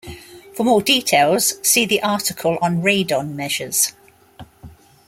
For more details, see the article on Radon measures.